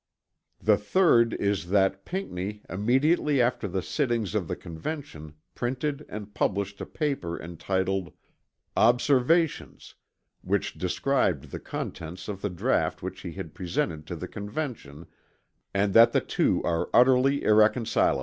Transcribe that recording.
The third, is that Pinckney immediately after the sittings of the Convention printed and published a paper entitled "Observations" which described the contents of the draught which he had presented to the Convention and that the two are utterly irreconcilable.